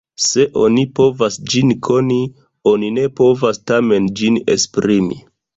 Se oni povas ĝin koni, oni ne povas tamen ĝin esprimi.